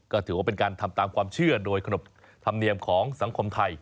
ก็ถือว่าเป็นการทำตามความเชื่อโดยขนบธรรมเนียมของสังคมไทย